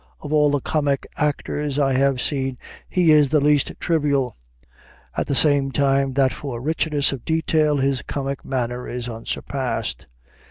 Of all the comic actors I have seen he is the least trivial at the same time that for richness of detail his comic manner is unsurpassed.